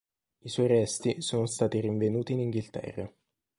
I suoi resti sono stati rinvenuti in Inghilterra.